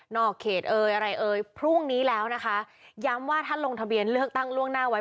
เขตเอ่ยอะไรเอ่ยพรุ่งนี้แล้วนะคะย้ำว่าท่านลงทะเบียนเลือกตั้งล่วงหน้าไว้